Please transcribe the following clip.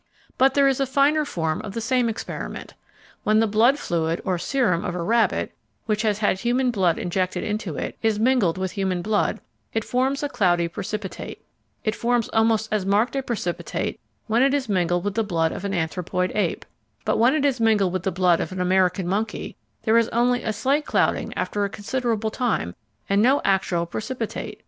But there is a finer form of the same experiment. When the blood fluid (or serum) of a rabbit, which has had human blood injected into it, is mingled with human blood, it forms a cloudy precipitate. It forms almost as marked a precipitate when it is mingled with the blood of an anthropoid ape. But when it is mingled with the blood of an American monkey there is only a slight clouding after a considerable time and no actual precipitate.